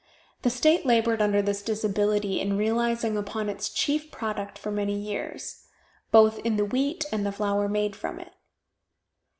The state labored under this disability in realizing upon its chief product for many years, both in the wheat, and the flour made from it.